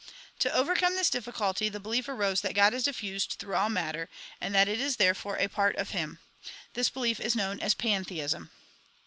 To over come this difficulty the belief arose that God is diffused through all matter, and that it is therefore a part of Him. This belief is known as pantheism.